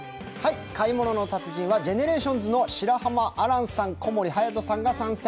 「買い物の達人」はＧＥＮＥＲＡＴＩＯＮＳの白濱亜嵐さん、小森隼さんが参戦。